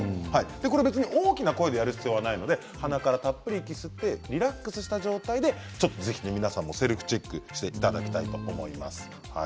これ、大きな声でやる必要はないので鼻からたっぷり息を吸ってリラックスした状態でぜひ皆さんもセルフチェックしていただきたいと思います。